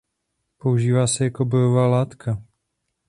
Používá se jako bojová látka.